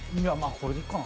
これでいいかな。